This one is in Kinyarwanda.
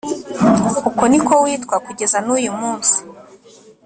Uko ni ko witwa kugeza n’uyu munsi.